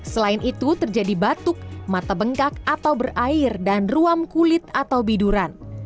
selain itu terjadi batuk mata bengkak atau berair dan ruam kulit atau biduran